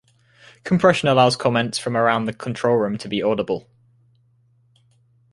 Compression allows comments from around the control room to be audible.